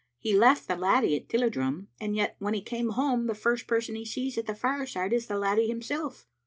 He left the laddie at Tilliedrum, and yet when he came home the first person he sees at the fireside is the laddie himself.